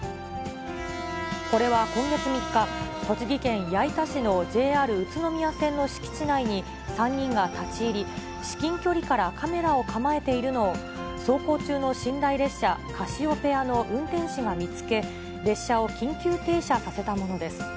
これは今月３日、栃木県矢板市のＪＲ宇都宮線の敷地内に、３人が立ち入り、至近距離からカメラを構えているのを、走行中の寝台列車、カシオペアの運転士が見つけ、列車を緊急停車させたものです。